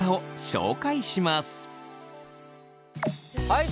はい。